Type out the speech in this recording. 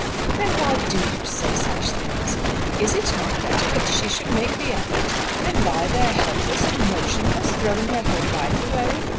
"Then why do you say such things? Is it not better that she should make the effort than lie there helpless and motionless, throwing her whole life away?